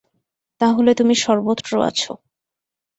তা হলে তুমি সর্বত্র আছ।